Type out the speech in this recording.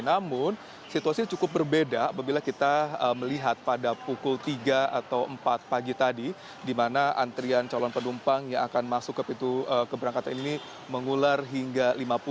namun situasi cukup berbeda bila kita melihat pada pukul tiga atau empat pagi tadi di mana antrian calon penumpang yang akan masuk ke pintu keberangkatan ini mengular hingga lima puluh